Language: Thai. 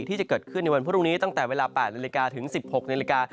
ที่จะเกิดขึ้นในวันพรุ่งนี้ตั้งแต่เวลา๘นาฬิกาถึง๑๖นาฬิกา